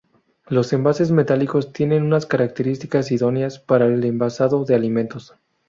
Los envases metálicos tienen unas características idóneas para el envasado de alimentos.